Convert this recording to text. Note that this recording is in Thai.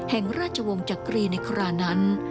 แห่งราชวงศ์จักรีในครานั้น